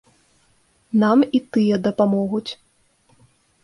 Нам і тыя дапамогуць.